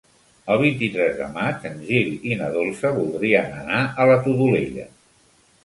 El vint-i-tres de maig en Gil i na Dolça voldrien anar a la Todolella.